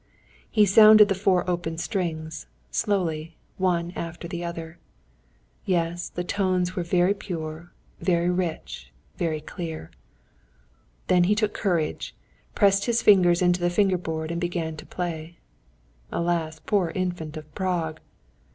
He sounded the four open strings, slowly, one after the other. Yes, the tones were very pure, very rich, very clear. Then he took courage, pressed his fingers into the finger board, and began to play. Alas, poor Infant of Prague!